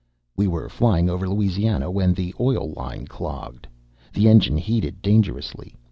We were flying over Louisiana when the oil line clogged. The engine heated dangerously.